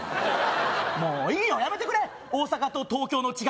もういいよやめてくれ大阪と東京の違い